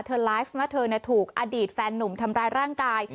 เธอธรรมดาลิฟฟ์เธอถูกอดีตแฟนหนุ่มทำร้ายร่างกาย